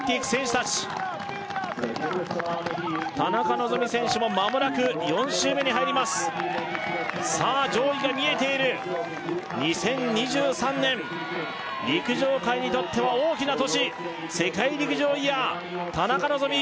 達田中希実選手もまもなく４周目に入りますさあ上位が見えている２０２３年陸上界にとっては大きな年世界陸上イヤー田中希実